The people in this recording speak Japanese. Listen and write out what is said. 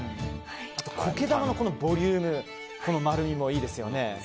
あと苔玉のボリュームこの丸みもいいですよね。